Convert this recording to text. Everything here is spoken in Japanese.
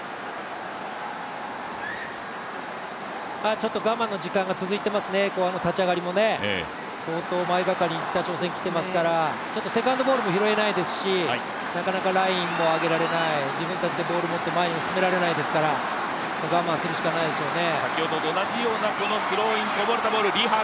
ちょっと我慢の時間が続いてますね、後半の立ち上がりも相当前がかりに北朝鮮来てますからセカンドボールも拾えないですしなかなかラインも上げられない、自分たちがボールを持って前に進められないですからここは我慢するしかないでしょうね。